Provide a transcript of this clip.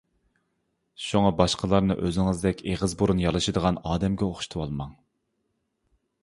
شۇڭا، باشقىلارنى ئۆزىڭىزدەك ئېغىز-بۇرۇن يالىشىدىغان ئادەمگە ئوخشىتىۋالماڭ.